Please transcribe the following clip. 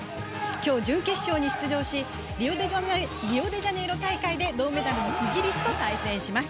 きょう、準決勝に出場しリオデジャネイロ大会で銅メダルのイギリスと対戦します。